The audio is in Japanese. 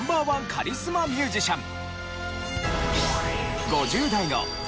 カリスマミュージシャン。